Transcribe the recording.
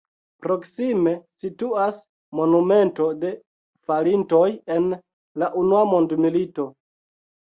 Proksime situas monumento de falintoj en la unua mondmilito.